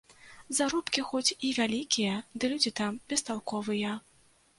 Заробкі хоць і вялікія, ды людзі там бесталковыя.